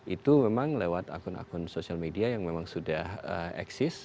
itu memang lewat akun akun sosial media yang memang sudah eksis